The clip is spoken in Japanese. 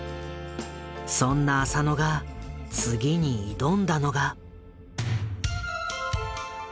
そんな浅野が次に挑んだのが。